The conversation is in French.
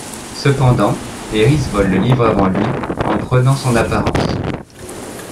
Cependant, Éris vole le livre avant lui en prenant son apparence.